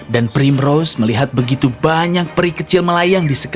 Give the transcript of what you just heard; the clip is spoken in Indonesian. dan primrose melihat begitu banyak peri kecil melayang di sekitarnya